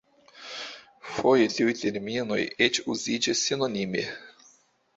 Foje tiuj terminoj eĉ uziĝas sinonime.